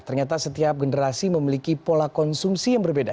ternyata setiap generasi memiliki pola konsumsi yang berbeda